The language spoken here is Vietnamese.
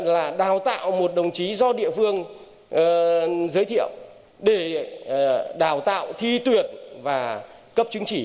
là đào tạo một đồng chí do địa phương giới thiệu để đào tạo thi tuyển và cấp chứng chỉ